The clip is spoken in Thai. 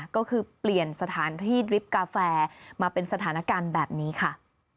ก็คือเปลี่ยนสถานที่ริบกาแฟมาเป็นสถานการณ์แบบนี้ค่ะ